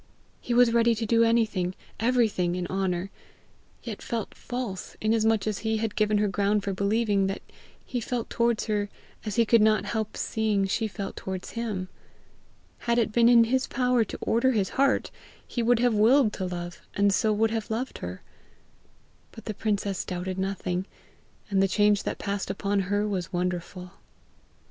He was ready to do anything, everything in honour; yet felt false inasmuch as he had given her ground for believing that he felt towards her as he could not help seeing she felt towards him. Had it been in his power to order his own heart, he would have willed to love, and so would have loved her. But the princess doubted nothing, and the change that passed upon her was wonderful.